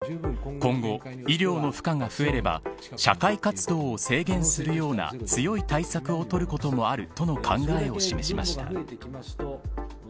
愛媛県の中村知事は今後、医療の負荷が増えれば社会活動を制限するような強い対策を取ることもあるとの考えを示しました。